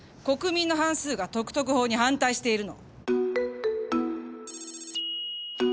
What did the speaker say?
国民の半数が特々法に反対しているの。